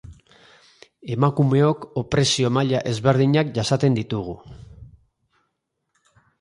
Emakumeok opresio maila ezberdinak jasaten ditugu.